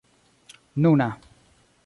nuna